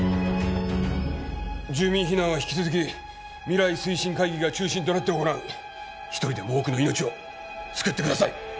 住民避難は引き続き未来推進会議が中心となって行う一人でも多くの命を救ってください